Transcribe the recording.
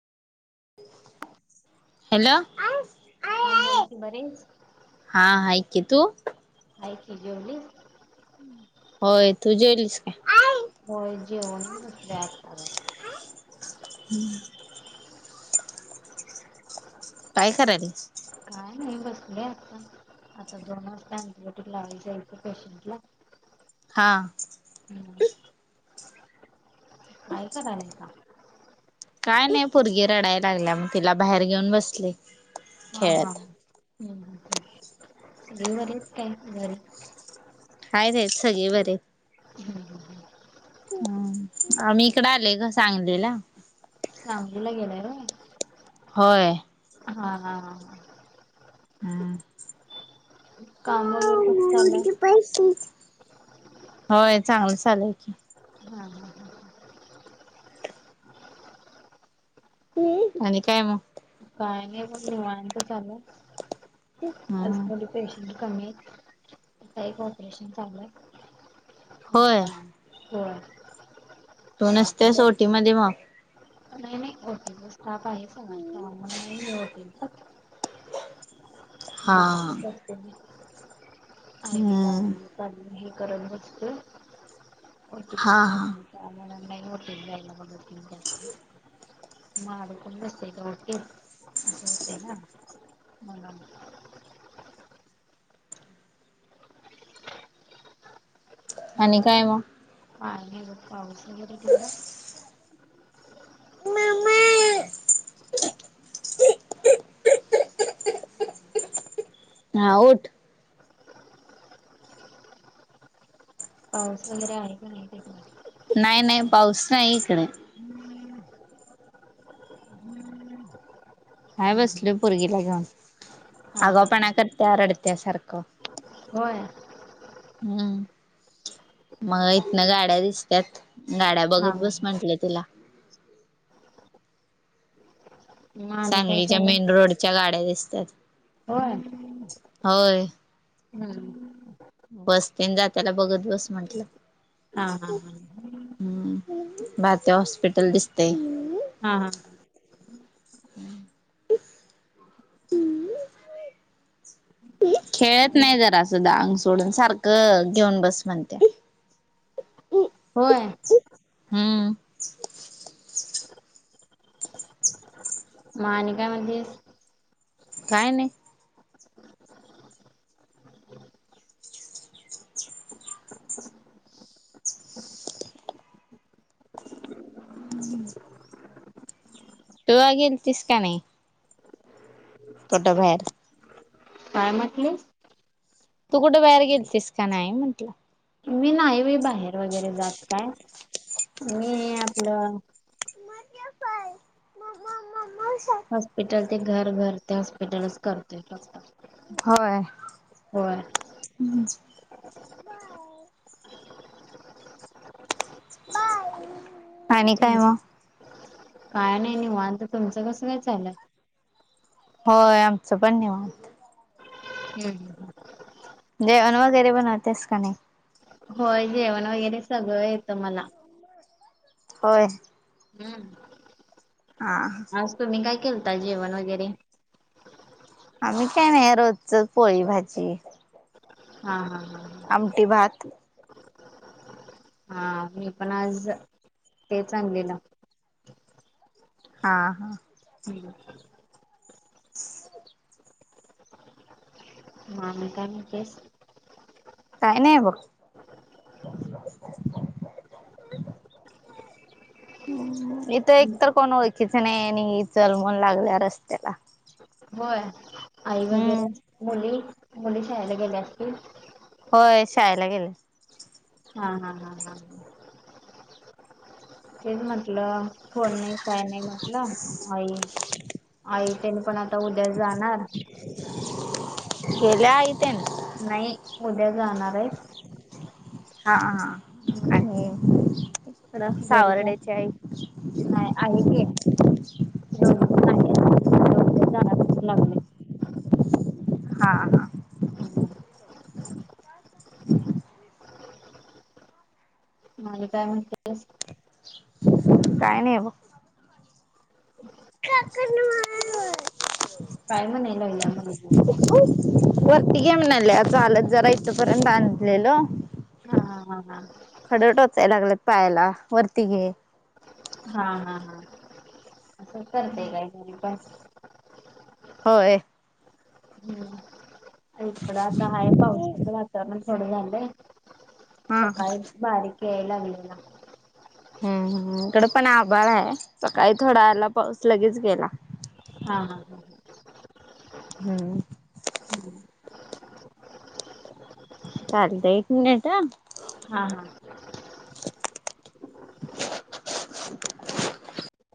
Hello, हा बोल की बरी आहेस. हा आहे की तू हाय की जेवलीस होय तू जेवलीस काय होय जेवूण बसलोय आता [unintelligible] काय करालीस काय नाही बसले आता आता दोन वाजता ऑन्टीबायोटीक लावाचय पेशंटला हा [unintelligible] काय करालायसा काय नाही पोरगी रडायला लागल्या मग तिला बाहेर घेऊन बसले हा, हा खेळत. [unintelligible] आहेत, आहेत सगळे बरी आहेत [unintelligible] हम आम्ही इकड आलोय ग सांगलीला सांगलीला गेलाय होय होय हा, हा, हा, हा हम्म काम वगैरे कसं चाललय होय चांगलं चालुय हा हा हा. आणि काय मग काय नाही मग निवांत चालु आहे आज हम्म थोडी पेशंट कमी आहेत आता एक ऑपरेशन चालू आहे होय होय तू मग आता नसत्यास बघ ओटी मध्ये मग नाही, नाही ओटीचा स्टाफ आहेच ह सामन नाहीय ओटीच हा बाहेर [unintelligible] आ हम्म [unintelligible] हे करत नसते ओटीच्या हा हा स्थापम नाही ओटी द्यायला बघत जातेस मग आता बसते काय उठते असं होतय ना म्हणून आणि म काय मग काही नाही बघ पाऊस वगैरे तिकडं हा उठ पाऊस वगैरे आहे का नाही तिकडं नाही, नाही पाऊस नाही इकड हाय हम्म हम्म. बसलोय पोरगीला घेऊन हा हा आगाऊपणा करत्या रडत्या सारखं होय हम्म मग इथन गाड्या दिसत्यात गाड्या हा बघत बस हा. म्हंटल्या तिला मग आणि काय सांगलीच्या चालू मेन रोडच्या गाड्या दिसतात होय होय हम्म बस तेन जाताना बघत बस म्हंटलं हा हा हा हम्म, भारती हॉस्पिटल दिसतय. हा, हा. [inaudible] खेळत नाही जरा अस आंग सोडून, ‌सारखं घेऊन बस म्हणत्या. होय हम्म म आणि काय म्हणतीस? काय नाही. [inaudible] तू आज गेलतीस का नाही? कुठं बाहेर? काय म्हटलीस? तू कुठं बाहेर गेलतीस का नाही म्हटलं? मी नाही मी बाहेर वगैरे जात काय, मी आपलं- [unintelligible] हॉस्पिटल ते घर, घर ते हॉस्पिटलच करते फक्त. होय. [unintelligible] आणि काय मग? काय नाही, निवांत तुमच कसं काय चाललंय? होय, आमचं पण निवांत. [unintelligible] जेवण वगैरे, बनवतेस का नाही? होय, जेवायला वगैरे सगळं येतं मला. होय. हम्म. हा. मग तुम्ही काय केलता, जेवण वगैरे? आम्ही काही नाही, रोजच पोळी, भाजी. हा, हा, हा. आमटी, भात. ह मी पण आज तेच आणलेलं? हा, हा. [inaudible] [inaudible] [unintelligible] काय नाही बघ. [unintelligible] इथं एकतर कोण ओळखीच नाही आणि चल म्हणून लागल्या रस्त्याला. होय, आई हम्म वगैरे मुली, मुली शाळाला गेल्या असतील. होय शाळेला गेले. हा, हा, हा, हा, हा. तेच म्हटलं, फोन नाही, काय नाही म्हटलं, आई- आई त्यांनी पण आता उद्या जाणार. गेल्या आई तेन? नाही, उद्या जाणार आहेत. हा आणि इकडं घरी पण सावर्ड्याचे आई? नाही आहे की, दोघी पण आहे, उद्या जाणार म्हणून लागले. हा हा. हम्. मंग काय, म्हणतियेस? काय नाही, बग. काकांण मार काय म्हणाय लागल्या मुलगी वरती घ्या म्हणाले, चालत जरा इथपर्यंत आणलेल. हा हा हा. खड टोचायला लागलेत पायाला, वरती घे. हां हां हां, असंचं करतेय काहीतरी, पण होय. हम्म. थोडं आता हाये पावसाच वातावरण, थोडं झालंय, हा सकाळी बारीक याय लागलेला. हम्म हम, इकड पण आभाळ हाय, सकाळी थोडा आला पाऊस, लगेच गेला. हां हां हां. हम्. हम्. चालत, एक मिनिट हं. हां हां.